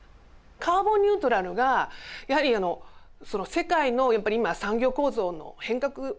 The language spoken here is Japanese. カーボンニュートラルがやはりその世界のやっぱり今産業構造の変革きてますよね。